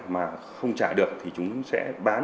mà không trả được thì chúng sẽ bán